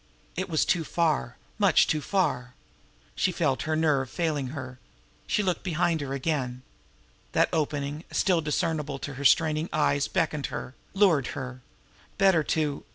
It was too far much too far! She felt her nerve failing her. She looked behind her again. That opening, still discernible to her straining eyes, beckoned her, lured her. Better to...